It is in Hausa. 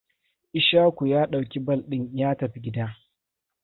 Ishaku ya ɗauki bal ɗinsa ya tafi gida.